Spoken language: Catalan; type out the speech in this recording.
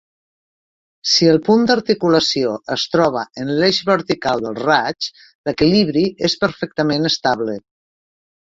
Si el punt d'articulació es troba en l'eix vertical del raig, l'equilibri és perfectament estable.